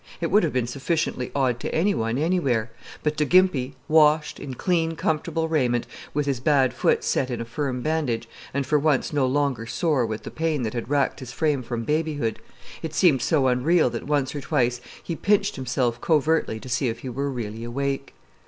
It would have been sufficiently odd to any one anywhere; but to Gimpy, washed, in clean, comfortable raiment, with his bad foot set in a firm bandage, and for once no longer sore with the pain that had racked his frame from babyhood, it seemed so unreal that once or twice he pinched himself covertly to see if he were really awake.